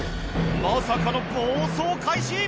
まさかの暴走開始！